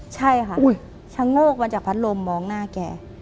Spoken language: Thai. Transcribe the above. ใช่ค่ะชะโงกมาจากพัดลมมองหน้าแก